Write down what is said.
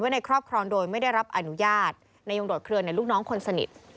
ในครอบครองโดยไม่ได้รับอนุญาตนายยงโดดเคลือในลูกน้องคนสนิท